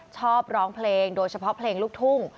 ชอบร้องเพลงโดยเฉพาะเพลงลูกทุ่ง